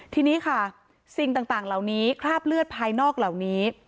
ทีนี้ค่ะสิ่งต่างเหล่านี้คราบเลือดภายนอกเหล่านี้